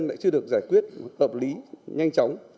lại chưa được giải quyết tập lý nhanh chóng